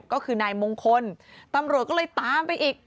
ก็คือนายมงคลตำรวจก็เลยตามไปอีก